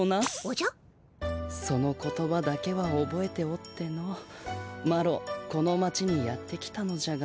その言葉だけはおぼえておってのマロこの町にやって来たのじゃが。